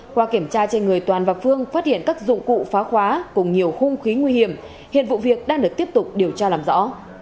qua kiểm tra trên người toàn và phương phát hiện các dụng cụ phá khóa cùng nhiều khung khí nguy hiểm hiện vụ việc đang được tiếp tục điều tra làm rõ